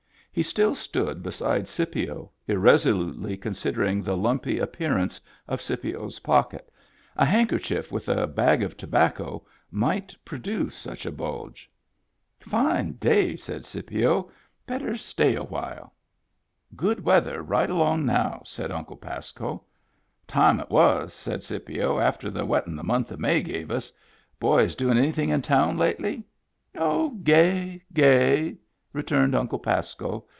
He still stood beside Scipio, irresolutely, considering the lumpy ap pearance of Scipio's pocket. A handkerchief with a bag of tobacco might produce such a bulge. "Fine day," said Scipio. "Better stay a while." Digitized by Google 84 MEMBERS OF THE FAMILY "Good weather right along now,'* said Uncle Pasco. " Time it was," said Scipio, " after the wettin' the month of May gave us. Boys doin' anything in town lately ?"" Oh, gay, gay," returned Uncle Pasco.